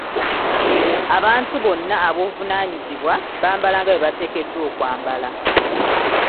Abantu bonna ab‘obuvunaanyizibwa bambala nga bwe bateekeddwa okwambala.